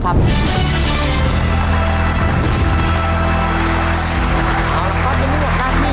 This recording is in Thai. และตัวเลือกที่สี่๓๓๕ตารางกิโลเมตร